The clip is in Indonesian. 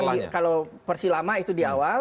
ada yang di kalau persilama itu di awal